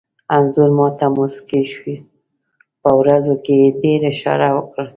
انځور ما ته موسکی شو، په وروځو کې یې اشاره وکړه.